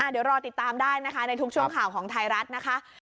เดี๋ยวรอติดตามได้นะคะในทุกช่วงข่าวของไทยรัฐนะคะ